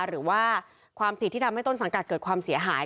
หรือว่าความผิดที่ทำให้ต้นสังกัดเกิดความเสียหาย